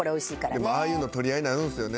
でもああいうの取り合いになるんですよね。